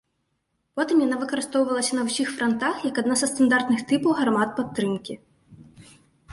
Потым яна выкарыстоўвалася на ўсіх франтах як адна са стандартных тыпаў гармат падтрымкі.